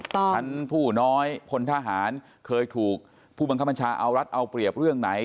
ท่านผู้น้อยพลทหารเคยถูกผู้บังคับบัญชาเอารัฐเอาเปรียบเรื่องไหน